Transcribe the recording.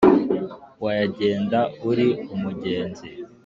wayagenda uri umugenzi